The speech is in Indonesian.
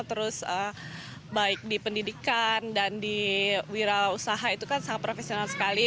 terus baik di pendidikan dan di wira usaha itu kan sangat profesional sekali